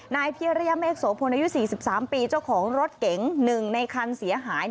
นายเพียรยามเอกโสโพนอายุ๔๓ปีเจ้าของรถเก๋ง๑ในคันเสียหาย